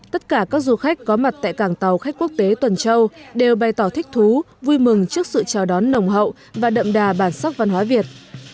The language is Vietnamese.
tất cả các du khách có mặt tại cảng tàu khách quốc tế tuần châu đều bày tỏ thích thú vui mừng trước sự chào đón nồng hậu và đậm đà bản sắc văn hóa việt